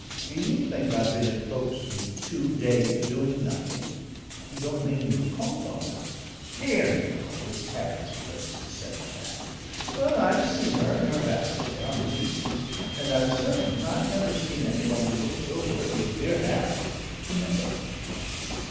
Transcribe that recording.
"Do you think I've been in Folkestone two days doing nothing?" "You don't mean you've called on her?" "Dear, no! It's Harry's place to settle that. But I've seen her in her bath chair on the Leas, and I'm certain I've never seen any one who looked so worthy of dear Harry. _Never!